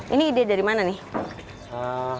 ini ide dari mana nih